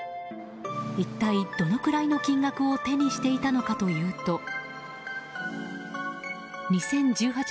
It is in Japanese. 一体どのくらいの金額を手にしていたのかというと。